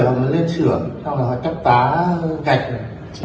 xong rồi họ chấp phá cạch này